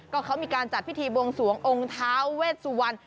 ก็เขามีการจัดพิธีบวงสวงองค์ท้าเวชสุวรรณ